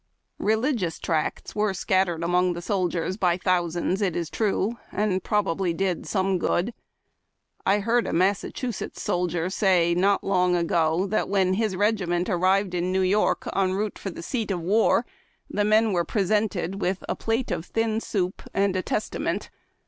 Religious tracts were scattered among the soldiers by thousands, it is true, and probably did some good. I heard a Massacliusetts soldier say, not long ago, that when his regiment arrived in New York en route for the seat of war, the men were presented with " a plate of thin soup and a Testament."